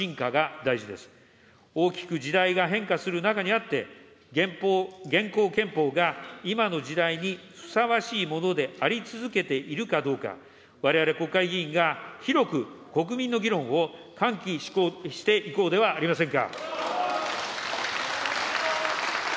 大きく時代が変化する中にあって、現行憲法が今の時代にふさわしいものであり続けているかどうか、われわれ国会議員が、広く国民の議論を喚起していこうではありませんか。